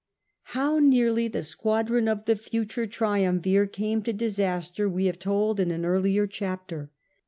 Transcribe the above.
How nearly the squadron of the future triumvir came to disaster we have told in an earlier chapter.